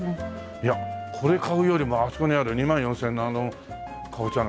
いやこれ買うよりもあそこにある２万４０００円のあのカボチャの方がいいぞ。